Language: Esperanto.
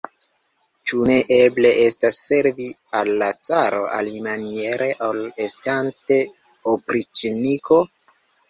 Ĉu ne eble estas servi al la caro alimaniere, ol estante opriĉniko?